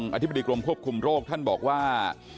อธิบดีกรมควบคุมโรคท่านบอกว่า